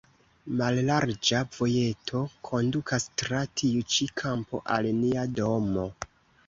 Mallarĝa vojeto kondukas tra tiu ĉi kampo al nia domo.